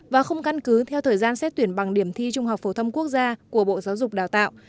và không căn cứ theo thời gian xét tuyển bằng điểm thi trung học phổ thông quốc gia của bộ giáo dục đào tạo